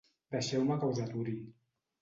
Deixeu-me que us aturi.